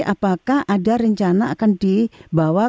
apakah ada rencana akan dibawa